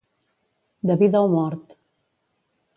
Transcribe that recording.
De vida o mort.